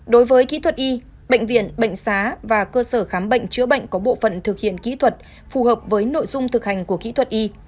đối với kỹ thuật y bệnh viện bệnh xá và cơ sở khám bệnh chữa bệnh có bộ phận thực hiện kỹ thuật phù hợp với nội dung thực hành của kỹ thuật y